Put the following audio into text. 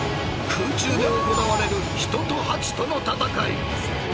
［空中で行われる人と蜂との戦い］